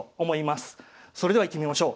それではいってみましょう。